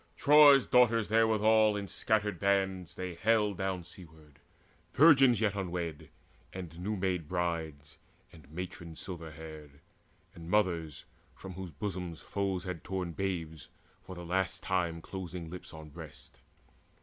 Troy's daughters therewithal in scattered bands They haled down seaward virgins yet unwed, And new made brides, and matrons silver haired, And mothers from whose bosoms foes had torn Babes for the last time closing lips on breasts.